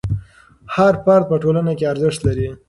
هر فرد په ټولنه کې ارزښت لري.